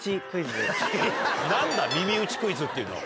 何だ耳打ちクイズっていうのは？